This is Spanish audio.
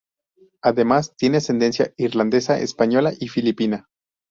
Además tiene ascendencia irlandesa, española y filipina.